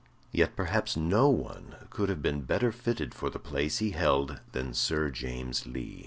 Yet Perhaps no one could have been better fitted for the place he held than Sir James Lee.